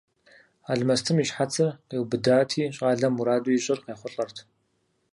Алмэстым и щхьэцыр къиубыдати, щӀалэм мураду ищӀыр къехъулӀэрт.